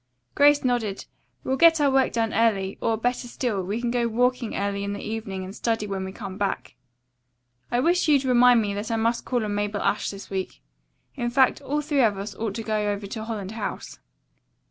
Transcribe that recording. Grace nodded. "We'll get our work done early, or, better still, we can go walking early in the evening and study when we come back. I wish you'd remind me that I must call on Mabel Ashe this week. In fact, all three of us ought to go over to Holland House."